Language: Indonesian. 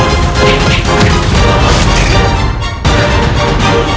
sekarang aku akan menemui ayahandaku